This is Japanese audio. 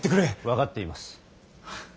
分かっています。